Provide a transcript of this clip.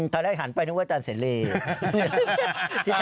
ตอนแรกหันไปนึกว่าจันเซรี่